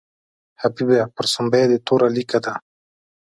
حبیبه پر سومبۍ دې توره لیکه ده.